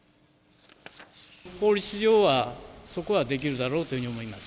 法律上はそこはできるだろうというふうに思います。